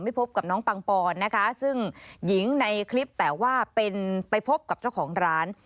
พบกับน้องปังปอนนะคะซึ่งหญิงในคลิปแต่ว่าเป็นไปพบกับเจ้าของร้าน